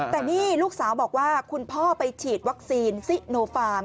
แต่นี่ลูกสาวบอกว่าคุณพ่อไปฉีดวัคซีนซิโนฟาร์ม